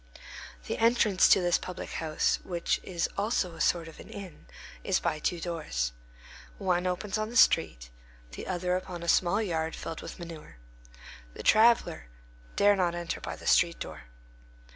The entrance to this public house, which is also a sort of an inn, is by two doors. One opens on the street, the other upon a small yard filled with manure. The traveller dare not enter by the street door.